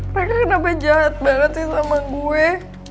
mereka kenapa jahat banget sih temen gue